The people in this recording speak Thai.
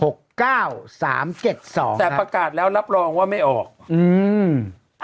สามเจ็ดสองแต่ประกาศแล้วรับรองว่าไม่ออกอืม